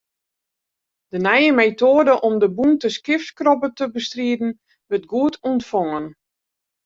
De nije metoade om de bûnte kjifkrobbe te bestriden, wurdt goed ûntfongen.